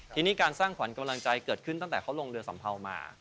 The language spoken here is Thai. ทีนี้การสร้างขวัญกำลังใจเกิดขึ้นตั้งแต่เขาลงเรือสัมเภามา